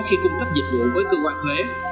khi cung cấp dịch vụ với cơ quan thuế